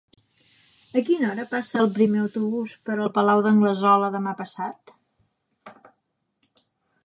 A quina hora passa el primer autobús per el Palau d'Anglesola demà passat?